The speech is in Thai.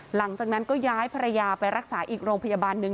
หลังจากนั้นก็ย้ายภรรยาไปรักษาอีกโรงพยาบาลหนึ่ง